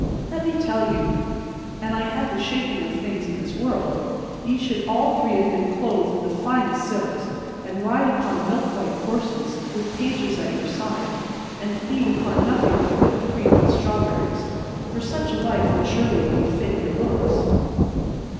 Let me tell you, an I had the shaping of things in this world, ye should all three have been clothed in the finest silks, and ride upon milk white horses, with pages at your side, and feed upon nothing but whipped cream and strawberries; for such a life would surely befit your looks."